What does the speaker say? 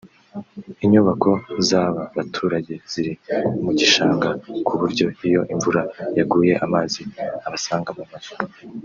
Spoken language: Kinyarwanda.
Inyubako z’aba baturage ziri mu gishanga ku buryo iyo imvura yaguye amazi abasanga mu mazu